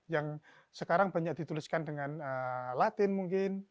yang sekarang banyak dituliskan dengan latin mungkin